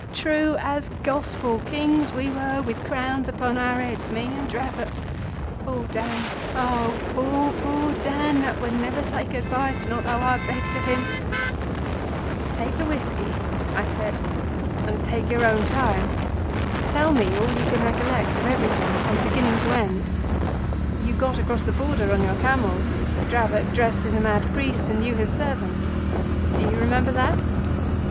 "True as gospel. Kings we were, with crowns upon our heads—me and Dravot—poor Dan—oh, poor, poor Dan, that would never take advice, not though I begged of him!" "Take the whiskey," I said, "and take your own time. Tell me all you can recollect of everything from beginning to end. You got across the border on your camels, Dravot dressed as a mad priest and you his servant. Do you remember that?"